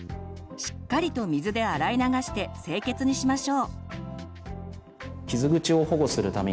しっかりと水で洗い流して清潔にしましょう。